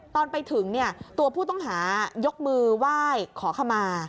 ตอนไปถึงตัวผู้ต้องหายกมือไหว้ขอขมา